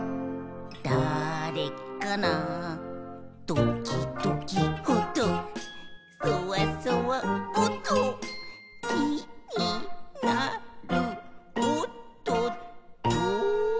「どきどきおっとそわそわおっと」「きになるおっとっと」